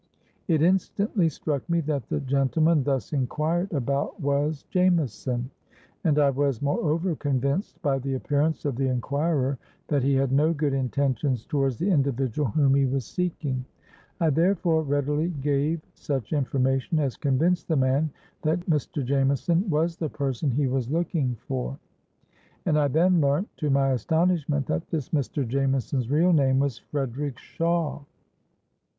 It instantly struck me that the gentleman thus enquired about was Jameson; and I was moreover convinced, by the appearance of the enquirer, that he had no good intentions towards the individual whom he was seeking. I therefore readily gave such information as convinced the man that Mr. Jameson was the person he was looking for; and I then learnt, to my astonishment, that this Mr. Jameson's real name was Frederick Shawe!